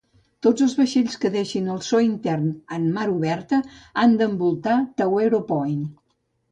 Tots els vaixells que deixin el so intern en mar oberta han d'envoltar Tawero Point.